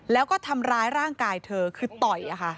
แล้วก็ทำร้ายร่างกายเธอคือต่อย